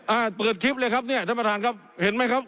อ่าเปิดคลิปเลยครับเนี่ยท่านประธานครับเห็นไหมครับ